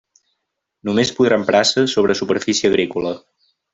Només podrà emprar-se sobre superfície agrícola.